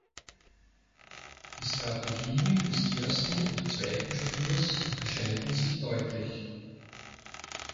Die Strategien des ersten und zweiten Spielers unterscheiden sich deutlich.